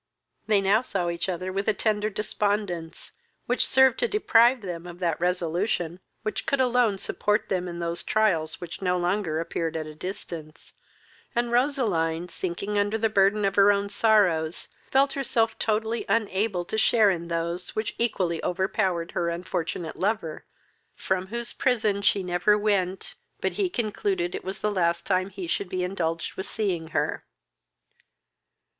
They now saw each other with a tender despondence, which served to deprive them of that resolution which could alone support them in those trials which no longer appeared at a distance, and Roseline, sinking under the burthen of her own sorrows, felt herself totally unable to share in those which equally overpowered her unfortunate lover, from whose prison she never went, but he concluded it was the last time he should be indulged with seeing her.